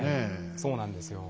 そうなんですよ。